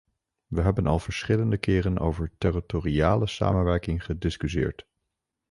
We hebben al verschillende keren over territoriale samenwerking gediscussieerd.